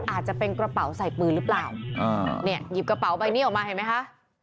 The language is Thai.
อาจจะเป็นกระเป๋าใส่ปืนหรือเปล่าเนี่ยหยิบกระเป๋าใบนี้ออกมาเห็นไหมคะ